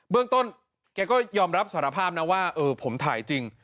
เรื่องต้นแกก็ยอมรับสารภาพนะว่าเออผมถ่ายจริง